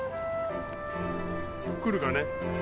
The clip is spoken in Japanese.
来るかね？